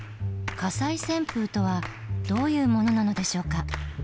火災旋風とはどういうものなのでしょうか？